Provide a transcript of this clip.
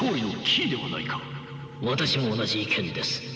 私も同じ意見です。